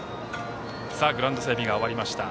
グラウンド整備が終わりました。